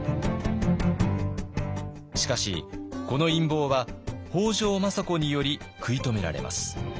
しかしこの陰謀は北条政子により食い止められます。